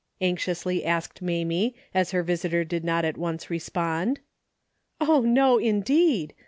" anxiously asked Mamie, as her visitor did not at once respond. " Oh no, indeed